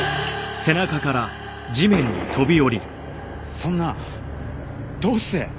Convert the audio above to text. そんなどうして？